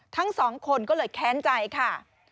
ทั้งสองคนก็เลยแค้นใจค่ะ